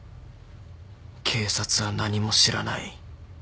警察は何も知らない。